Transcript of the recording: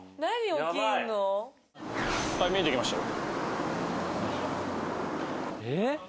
見えてきましたよ。